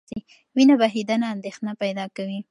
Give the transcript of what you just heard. وینه بهېدنه اندېښنه پیدا کوي.